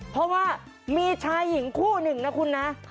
เพราะว่ามีชายหญิงคู่หนึ่งนะคุณนะ